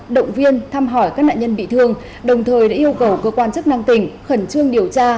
động viên thăm hỏi các nạn nhân bị thương đồng thời đã yêu cầu cơ quan chức năng tỉnh khẩn trương điều tra